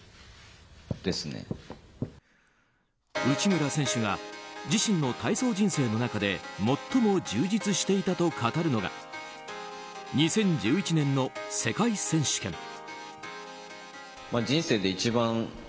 内村選手が自身の体操人生の中で最も充実していたと語るのが２０１１年の世界選手権。